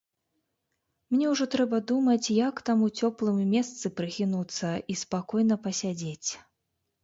Мне ўжо трэба думаць, як там у цёплым месцы прыхінуцца і спакойна пасядзець.